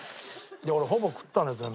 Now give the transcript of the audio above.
俺ほぼ食ったね全部。